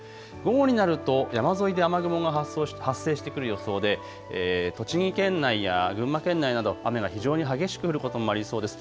午後になると山沿いで雨雲が発生してくる予想で、栃木県内や群馬県内など雨が非常に激しく降ることもありそうです。